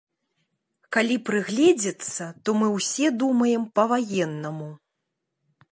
Калі прыгледзецца, то мы ўсё думаем па-ваеннаму.